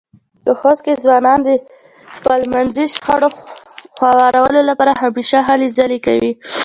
په خوست کې ځوانان د خپلمنځې شخړو خوارولو لپاره همېشه هلې ځلې کوي.